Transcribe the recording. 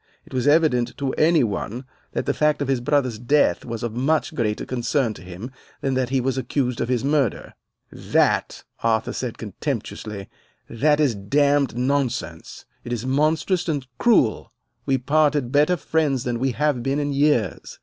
It was evident to any one that the fact of his brother's death was of much greater concern to him, than that he was accused of his murder. [Illustration 13 We found him propped up in bed] "'That,' Arthur said contemptuously, 'that is damned nonsense. It is monstrous and cruel. We parted better friends than we have been in years.